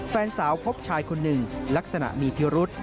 แฟนสาวพบชายคนหนึ่งลักษณะมีพิรุษ